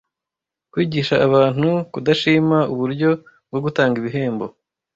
Kwigisha abantu badashima uburyo bwo gutanga ibihembo